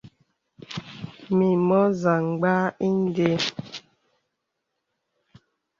Mì mɔ̄ zàmgbā ìndē.